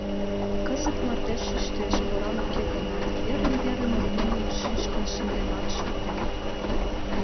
Кызыт мардеж ӱштеш, поран уке гынат, верын-верын лумым шӱшкын шынденат шуктен.